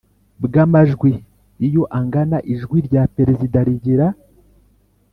bw amajwi Iyo angana ijwi rya Perezida rigira